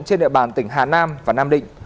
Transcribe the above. trên địa bàn tỉnh hà nam và nam định